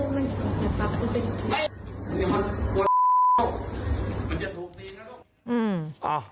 มึงจะปลี๊บเจ้า